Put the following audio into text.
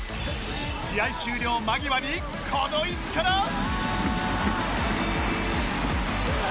試合終了間際にこの位置から